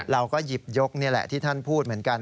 เราก็หยิบยกนี่แหละที่ท่านพูดเหมือนกัน